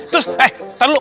terus eh tunggu dulu